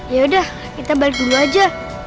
yaudah kita balik dulu aja